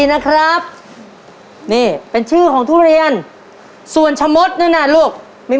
แปลงกระมังเมื่อก่อนใช้ใช้มือค่ะไม่มีเครื่องซักมือซักมือ